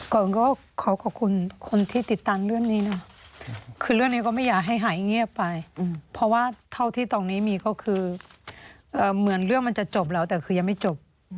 ก่อนก็ขอขอบคุณคนที่ติดตามเรื่องนี้นะคือเรื่องนี้ก็ไม่อยากให้หายเงียบไปเพราะว่าเท่าที่ตรงนี้มีก็คือเหมือนเรื่องมันจะจบแล้วแต่คือยังไม่จบ